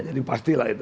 jadi pastilah itu